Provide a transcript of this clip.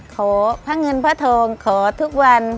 ขอพระเงินพระทองขอทุกวัน